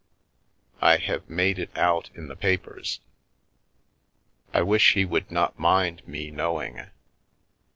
i hev made it out in the papers, i wish he wood not mind mi noing."